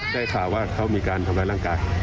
ได้ข่าวว่าเขามีการทำร้ายร่างกาย